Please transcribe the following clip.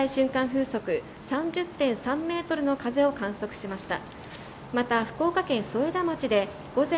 風速３０．３メートルの風を観測しました。